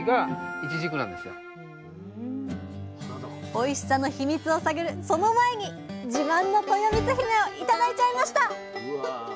おいしさのヒミツを探るその前に自慢のとよみつひめを頂いちゃいました！